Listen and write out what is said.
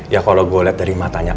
ya kalau gue lihat dari matanya